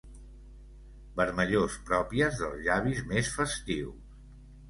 Vermellors pròpies dels llavis més festius.